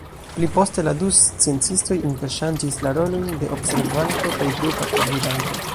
Pli poste la du sciencistoj interŝanĝis la rolojn de observanto kaj grupa gvidanto.